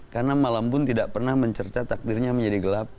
karena malam pun tidak pernah mencercah takdirnya menjadi gelap